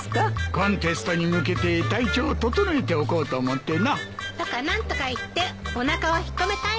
コンテストに向けて体調を整えておこうと思ってな。とか何とか言っておなかを引っ込めたいんでしょ。